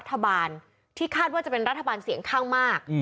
ที่คาดว่าจะเป็นรัฐบาลเสี่ยงข้างมาก